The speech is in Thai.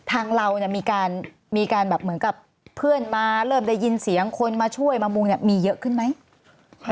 ทางเรามีการแบบเหมือนกับเพื่อนมาเริ่มได้ยินเสียงคนมาช่วยมามุงมีเยอะขึ้นไหม